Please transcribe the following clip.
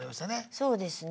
そうですね。